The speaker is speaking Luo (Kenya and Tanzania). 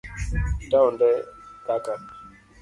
Taonde kaka